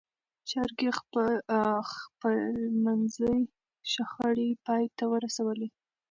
جرګې خپلمنځي شخړې پای ته ورسولې.